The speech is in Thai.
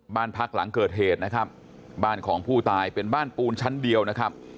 บ้านพักหลังเกิดเหตุนะครับบ้านของผู้ตายเป็นบ้านปูนชั้นเดียวนะครับ